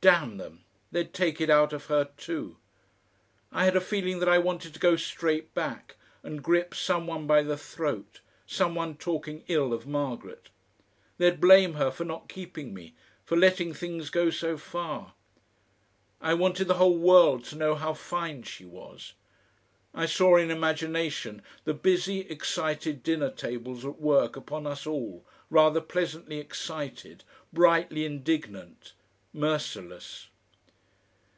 Damn them! they'd take it out of her too. I had a feeling that I wanted to go straight back and grip some one by the throat, some one talking ill of Margaret. They'd blame her for not keeping me, for letting things go so far.... I wanted the whole world to know how fine she was. I saw in imagination the busy, excited dinner tables at work upon us all, rather pleasantly excited, brightly indignant, merciless.